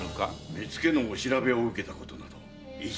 目付のお調べを受けたことなど一度とてなく。